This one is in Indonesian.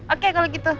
oke kalau gitu